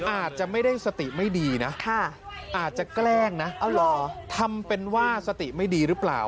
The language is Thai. อาจจะไม่ได้สติไม่ดีนะอาจจะแกล้งนะทำเป็นว่าสติไม่ดีหรือเปล่า